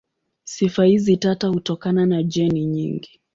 Sifa hizi tata hutokana na jeni nyingi.